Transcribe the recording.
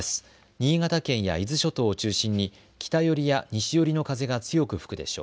新潟県や伊豆諸島を中心に北寄りや西寄りの風が強く吹くでしょう。